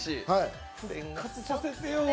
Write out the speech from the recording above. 復活させてよ。